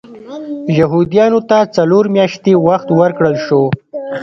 یهودیانو ته څلور میاشتې وخت ورکړل شو.